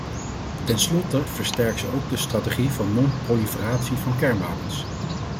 Tenslotte versterkt ze ook de strategie van non-proliferatie van kernwapens.